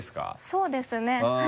そうですねはい。